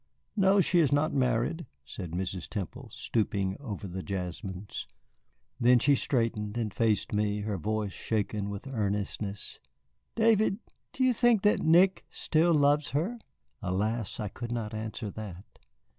"No, she is not married," said Mrs. Temple, stooping over the jasmines. Then she straightened and faced me, her voice shaken with earnestness. "David, do you think that Nick still loves her?" Alas, I could not answer that.